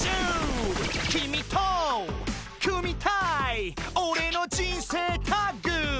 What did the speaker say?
「君と組みたいオレの人生タッグ」